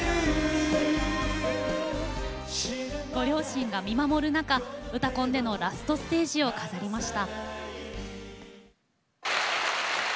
ご両親が見守る中「うたコン」でのラストステージを飾りました。